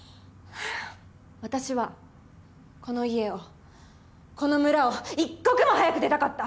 私はこの家をこの村を一刻も早く出たかった。